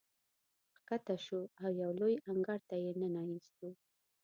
ښکته شوو او یو لوی انګړ ته یې ننه ایستو.